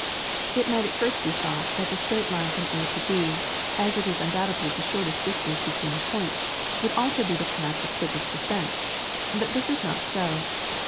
It might at first be thought that the straight line from A to B, as it is undoubtedly the shortest distance between the points, would also be the path of quickest descent; but this is not so.